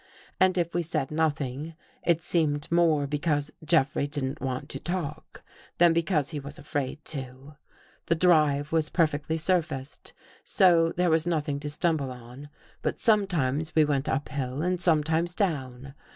| And if we said nothing, it seemed more because j Jeffrey didn't want to talk than because he was j afraid to. The drive was perfectly surfaced, so j 216 ! THE HOUSEBREAKERS there was nothing to stumble on, but sometimes we went up hill and sometimes down.